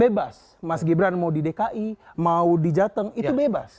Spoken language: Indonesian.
bebas mas gibran mau di dki mau di jateng itu bebas